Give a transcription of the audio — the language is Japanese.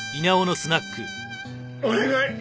お願い！